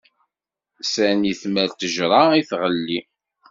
Sani tmal ttejṛa i tɣelli.